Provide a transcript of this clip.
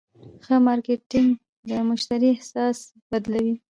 ښه مارکېټنګ د مشتری احساس بدلوي.